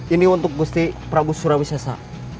ini untuk gusti prabu surawisesa